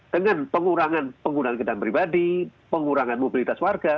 dengan pengurangan penggunaan kendaraan pribadi pengurangan mobilitas warga